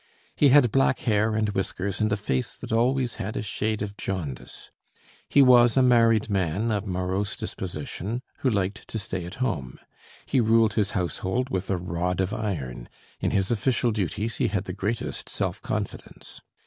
He had black hair and whiskers, and a face that always had a shade of jaundice. He was a married man of morose disposition who liked to stay at home; he ruled his household with a rod of iron; in his official duties he had the greatest self confidence.